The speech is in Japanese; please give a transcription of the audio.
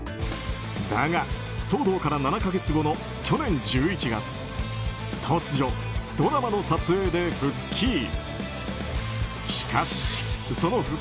だが、騒動から７か月後の去年１１月突如、ドラマの撮影で復帰。